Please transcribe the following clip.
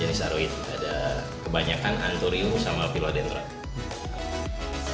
ada kebanyakan anturium sama philodendrum